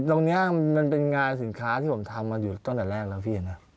ตรงนี้มันเป็นงานสินค้าที่ผมทำมาอยู่ตั้งแต่แรกแล้วพี่นะ